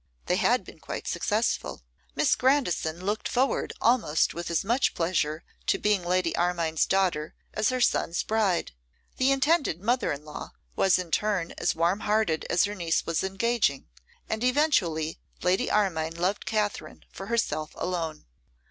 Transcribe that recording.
They had been quite successful. Miss Grandi son looked forward almost with as much pleasure to being Lady Armine's daughter as her son's bride. The intended mother in law was in turn as warmhearted as her niece was engaging; and eventually Lady Armine loved Katherine for herself alone.